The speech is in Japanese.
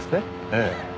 ええ。